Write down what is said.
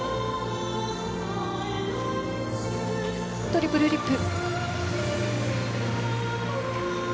トリプルフリップ。